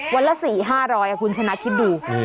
วันละ๔๕๐๐คุณชนะคิดดู